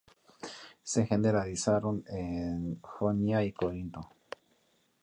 Se generalizaron en Jonia y Corinto.